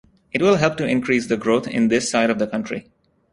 It will help to increase the growth in this side of the country.